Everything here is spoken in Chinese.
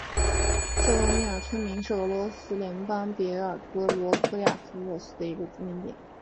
莫谢诺耶农村居民点是俄罗斯联邦别尔哥罗德州雅科夫列沃区所属的一个农村居民点。